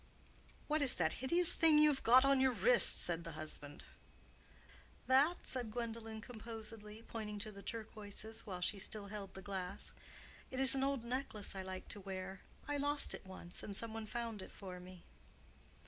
"What is that hideous thing you have got on your wrist?" said the husband. "That?" said Gwendolen, composedly, pointing to the turquoises, while she still held the glass; "it is an old necklace I like to wear. I lost it once, and someone found it for me."